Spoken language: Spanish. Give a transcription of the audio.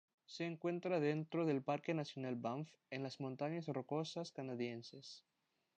Se encuentra dentro del Parque Nacional Banff, en las Montañas Rocosas canadienses.